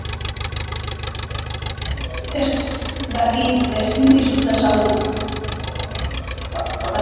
Ez dakit, ezin dizut azaldu.